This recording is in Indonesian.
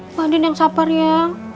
mbak andin yang sabar ya